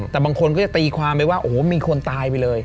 แต่บางคนก็จะตีความไปว่าโอ้โหมีคนตายไปเลย